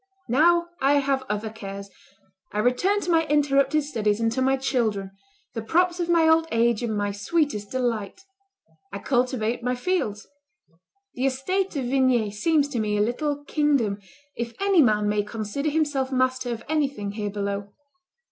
Now I have other cares; I return to my interrupted studies and to my children, the props of my old age and my sweetest delight. I cultivate my fields. The estate of Vignay seems to me a little kingdom, if any man may consider himself master of anything here below.